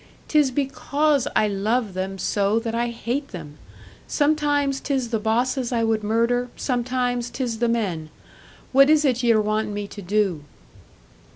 "'Tis because I love them so that I hate them! Sometimes 'tis the bosses I would murder, sometimes 'tis the men. What is it ye're wantin' me to do?"